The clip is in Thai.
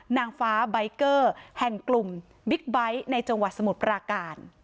นางฟ้าใบเกอร์แห่งกลุ่มบิ๊กไบท์ในจังหวัดสมุทรปราการ